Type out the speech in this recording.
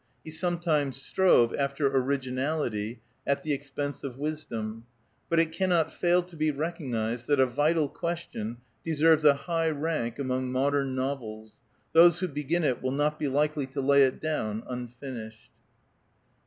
He sometimes strove after originality, at the ex pense of wisdom ; but it cannot fail to be recognized that "•A Vital Question" deserves a high rank among modern novels. Those who begin it will not be likely to lay it down unfinished.